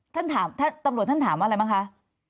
ตำรวจท่านถามอะไรบ้างคะ